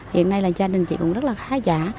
hiện nay là gia đình chị cũng rất là khá giả